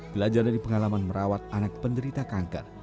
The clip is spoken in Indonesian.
belajar dari pengalaman merawat anak penderita kanker